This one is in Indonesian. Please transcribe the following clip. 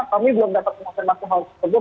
kami belum dapat pengetahuan tentang hal tersebut